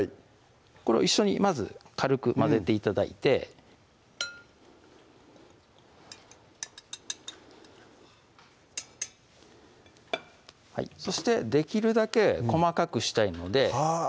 これを一緒にまず軽く混ぜて頂いてそしてできるだけ細かくしたいのであぁ